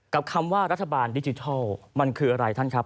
คำว่ารัฐบาลดิจิทัลมันคืออะไรท่านครับ